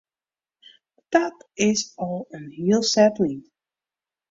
Dat is al in hiel set lyn.